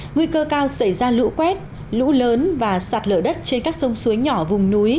nguy cơ cao xảy ra lũ quét lũ lớn và sạt lở đất trên các sông suối nhỏ vùng núi